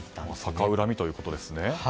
逆恨みということですね。